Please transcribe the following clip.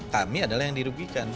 kami adalah yang dirugikan